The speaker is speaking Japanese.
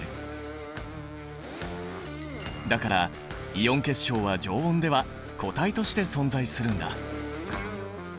だからイオン結晶は常温では固体として存在するんだ。